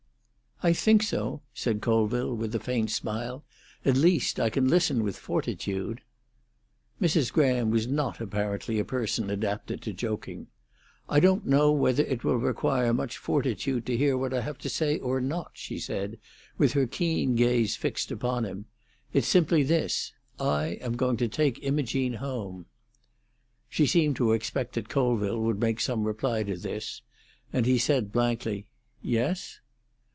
"I think so," said Colville, with a faint smile. "At least I can listen with fortitude." Mrs. Graham was not apparently a person adapted to joking. "I don't know whether it will require much fortitude to hear what I have to say or not," she said, with her keen gaze fixed upon him. "It's simply this: I am going to take Imogene home." She seemed to expect that Colville would make some reply to this, and he said blankly, "Yes?"